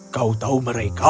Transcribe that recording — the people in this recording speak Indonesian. kau tahu mereka